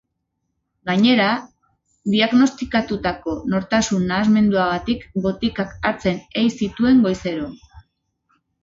Gainera, diagnostikatutako nortasun nahasmenduagatik botikak hartzen ei zituen goizero.